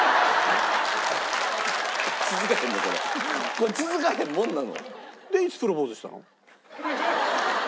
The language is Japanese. これ続かへんもんなの？